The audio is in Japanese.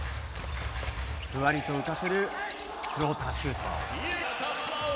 ふわりと浮かせるフローターシュート。